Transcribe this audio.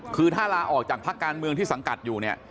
คือถ้าลาออกจากภักดิ์การเมืองที่สังกัดอยู่